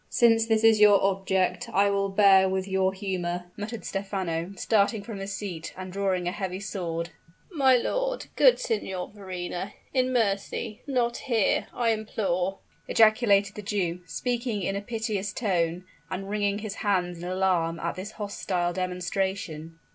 "Since this is your object, I will bear with your humor," muttered Stephano, starting from his seat and drawing his heavy sword. "My lord good Signor Verrina in mercy not here I implore " ejaculated the Jew, speaking in a piteous tone, and wringing his hands in alarm at this hostile demonstration.